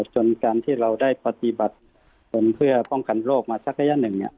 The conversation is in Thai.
จนการที่เราได้ปฏิบัติตนเพื่อป้องกันโรคมาสักระยะหนึ่ง